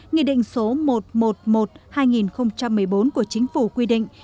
nghị định số một trăm một mươi một hai nghìn một mươi bốn của chính phủ quy định